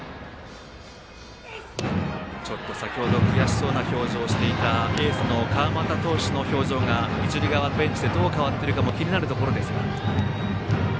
ちょっと先ほど悔しそうな表情をしていたエースの川又投手の表情が一塁側ベンチでどう変わっているかも気になるところですが。